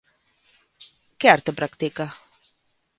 Que arte practica?